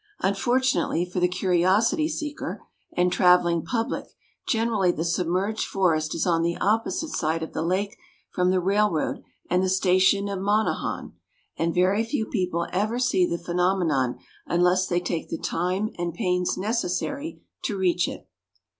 Unfortunately for the curiosity seeker and traveling public generally the submerged forest is on the opposite side of the lake from the railroad and the station of Monohon, and very few people ever see the phenomenon unless they take the time and pains necessary to reach it.